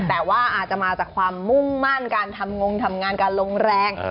แต่ว่าอาจจะมาจากความมุ่งมั่นการทำงงทำงานการลงแรง